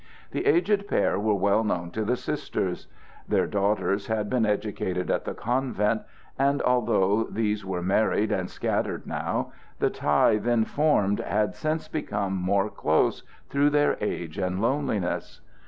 The aged pair were well known to the Sisters. Their daughters had been educated at the convent; and, although these were married and scattered now, the tie then formed had since become more close through their age and loneliness.